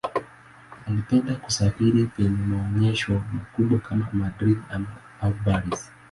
Alipenda kusafiri penye maonyesho makubwa kama Madrid au Paris.